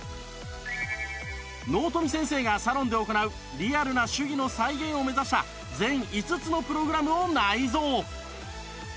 納富先生がサロンで行うリアルな手技の再現を目指した全５つのプログラムを内蔵